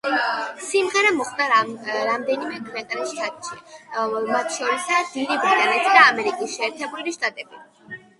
სიმღერა მოხვდა რამდენიმე ქვეყნის ჩარტებში მათ შორისაა დიდი ბრიტანეთი და ამერიკის შეერთებული შტატები.